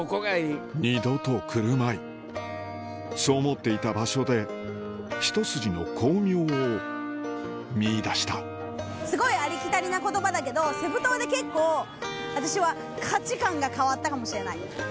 二度と来るまいそう思っていた場所でひと筋の光明を見いだしたすごいありきたりな言葉だけどセブ島で結構私は価値観が変わったかもしれない。